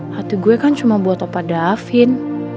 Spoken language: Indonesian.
hati gue kan cuma buat apa davin